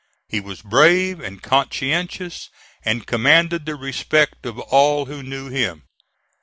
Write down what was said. He was brave and conscientious, and commanded the respect of all who knew him.